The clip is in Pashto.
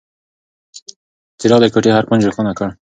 څراغ د کوټې هر کونج روښانه کړ.